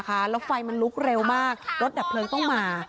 แล้วไฟมันลุกเร็วมากรถดับเพลิงต้องมา